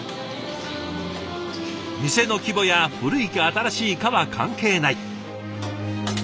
店の規模や古いか新しいかは関係ない。